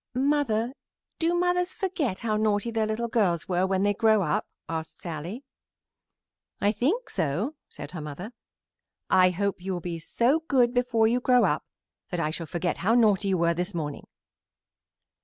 "Mother, do mothers forget how naughty their little girls were when they grow up?" asked Sallie. "I think so," said her mother. "I hope you will be so good before you grow up that I shall forget how naughty you were this morning."